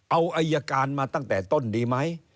เอาอายการมาตั้งแต่ต้นดีไหม